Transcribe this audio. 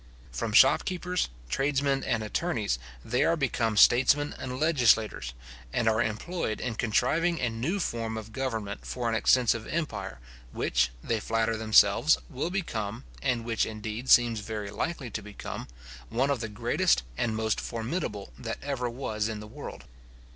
From shopkeepers, trades men, and attorneys, they are become statesmen and legislators, and are employed in contriving a new form of government for an extensive empire, which, they flatter themselves, will become, and which, indeed, seems very likely to become, one of the greatest and most formidable that ever was in the world.